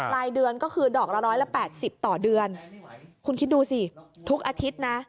รายเดือนก็คือดอกละ๑๘๐ต่อเดือนคุณคิดดูสิทุกอาทิตย์นะ